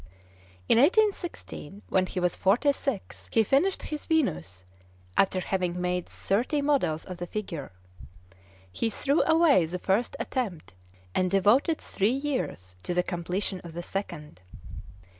In 1816, when he was forty six, he finished his Venus, after having made thirty models of the figure. He threw away the first attempt, and devoted three years to the completion of the second.